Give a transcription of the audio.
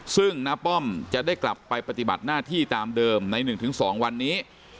ซึ่งน้าป้อมจะได้กลับไปปฏิบัติหน้าที่ตามเดิมใน๑๒วันนี้